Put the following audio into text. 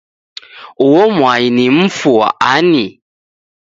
Uo mwai ni mfu wa ani?